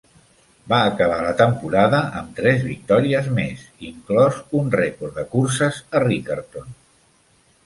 Va acabar la temporada amb tres victòries més, inclòs un rècord de curses a Riccarton.